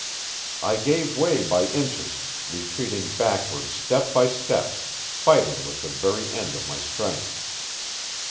I gave way by inches, retreating backward step by step, fighting with the very end of my strength.